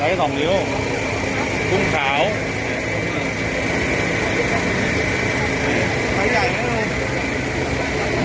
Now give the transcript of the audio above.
สวัสดีครับทุกคนวันนี้เกิดขึ้นทุกวันนี้นะครับ